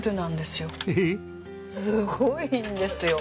すごいんですよ。